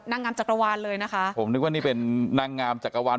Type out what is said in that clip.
นางงามจักรวาลเลยนะคะผมนึกว่านี่เป็นนางงามจักรวาล